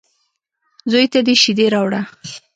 _زوی ته دې شېدې راوړه.